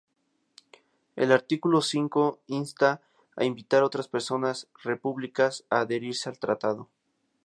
El artículo cinco insta a invitar a otras repúblicas a adherirse al tratado.